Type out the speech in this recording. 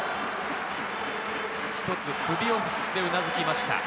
一つ首を振ってうなずきました。